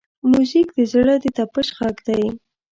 موزیک د زړه د طپش غږ دی.